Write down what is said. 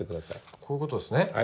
こういう事ですね？